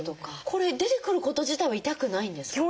これ出てくること自体は痛くないんですか？